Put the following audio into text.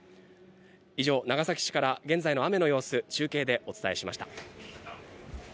以上、長崎市から現在の雨の様子を中継でお伝えしました。